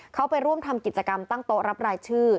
เขาไปร่วมทำกิจกรรมตั้งโต๊ะรับรายชื่อ